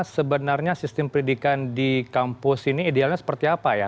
sebenarnya sistem pendidikan di kampus ini idealnya seperti apa ya